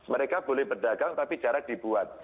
mereka boleh berdagang tapi jarak dibuat